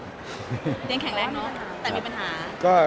ยังแข็งแรงเนอะแต่มีปัญหา